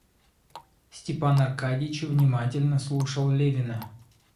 Степан Аркадьич внимательно слушал Левина.